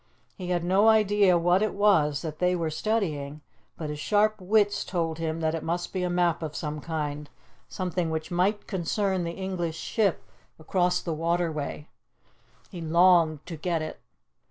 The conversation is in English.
He had no idea what it was that they were studying, but his sharp wits told him that it must be a map of some kind, something which might concern the English ship across the waterway. He longed to get it.